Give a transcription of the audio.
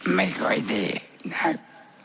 ไม่ค่อยดี